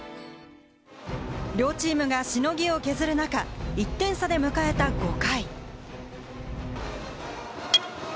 両チームがしのぎを削る中、１点差で迎えた５回。